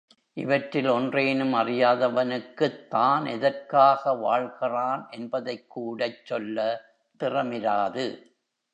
இவற்றில் ஒன்றேனும் அறியாதவனுக்குத் தான் எதற்காக வாழ்கிறான் என்பதைக்கூடச் சொல்ல திறமிராது.